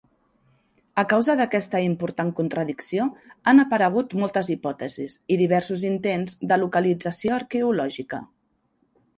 A causa d'aquesta important contradicció han aparegut moltes hipòtesis i diversos intents de localització arqueològica.